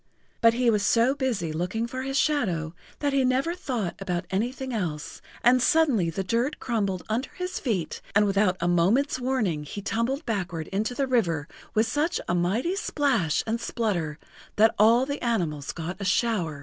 But he was[Pg 87] so busy looking for his shadow that he never thought about anything else, and suddenly the dirt crumbled under his feet and without a moment's warning he tumbled backward into the river with such a mighty splash and splutter that all the animals got a shower.